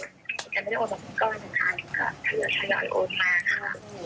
แต่แกไม่ได้โอนกับพี่ก้อนนะคะถือชายอยโอนมาค่ะ